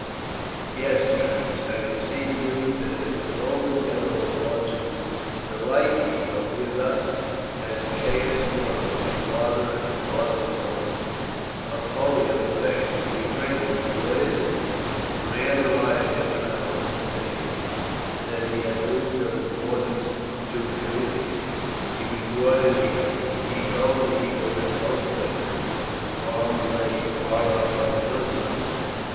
"Yes, Berenice, I have received news that as a Roman general ought to delight me, but which, as Caius Muro, your father and the father in law of Pollio, vexes me greatly." "What is it, father?" "A man arrived half an hour since saying that he had news of importance to communicate. He was brought in here. He told me he was a cultivator whose farm lay far up on the hillside.